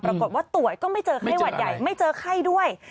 ปรากฏว่าตรวจก็ไม่เจอไข้หวัดใหญ่ไม่เจอไข้ด้วย